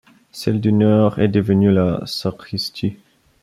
Celle du nord est devenue la sacristie.